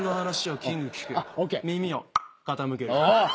耳を傾ける。